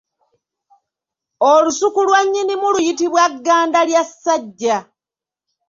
Olusuku lwa nnyinimu luyitibwa ggandalyassajja